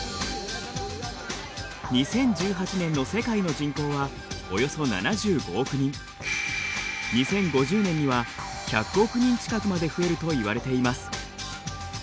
２０１８年の世界の人口はおよそ２０５０年には１００億人近くまで増えるといわれています。